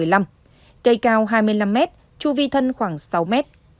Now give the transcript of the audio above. cây cao hai mươi năm mét chu vi thân khoảng sáu mét